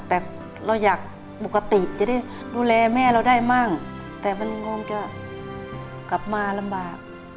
แบบเราอยากปกติจะได้ดูแลแม่เราได้มั่งแต่มันงอมจะกลับมาลำบาก